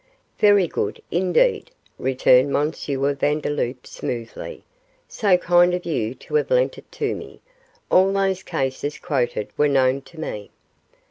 'Very good, indeed,' returned M. Vandeloup, smoothly; 'so kind of you to have lent it to me all those cases quoted were known to me.